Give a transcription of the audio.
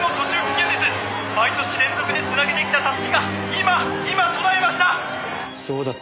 毎年連続で繋げてきたたすきが今今途絶えました！